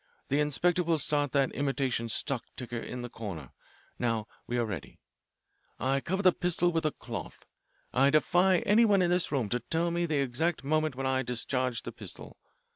The inspector will start that imitation stock ticker in the corner. Now we are ready. I cover the pistol with a cloth. I defy anyone in this room to tell me the exact moment when I discharged the pistol.